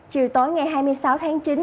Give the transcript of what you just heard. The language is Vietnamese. chiều tối ngày hai mươi sáu tháng chín